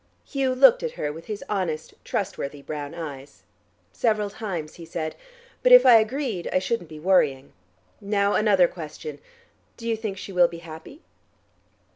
Hugh looked at her with his honest, trustworthy, brown eyes. "Several times," he said. "But if I agreed, I shouldn't be worrying. Now another question: Do you think she will be happy?"